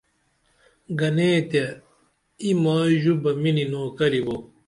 گنے تے ای مائی ژو بہ مینی نوکری بو